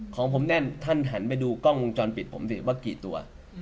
ของผมแน่นท่านหันไปดูกล้องวงจรปิดผมสิว่ากี่ตัว